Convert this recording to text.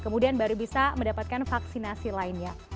kemudian baru bisa mendapatkan vaksinasi lainnya